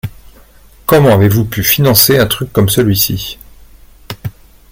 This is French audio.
Comment avez-vous pu financer un truc comme celui-ci.